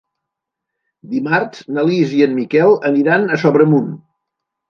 Dimarts na Lis i en Miquel aniran a Sobremunt.